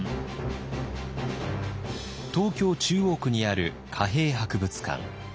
東京・中央区にある貨幣博物館。